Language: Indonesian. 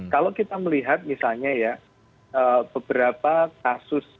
kalau kita melihat misalnya ya beberapa kasus